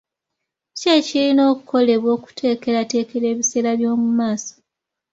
Ki ekirina okukolebwa okuteekerateekera ebiseera by'omu maaso?